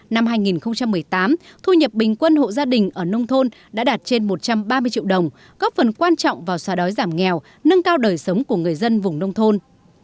năm hai nghìn một mươi tám thu nhập bình quân hộ gia đình ở nông thôn đã đạt trên một trăm ba mươi triệu đồng góp phần quan trọng vào xóa đói giảm nghèo nâng cao đời sống của người dân vùng nông thôn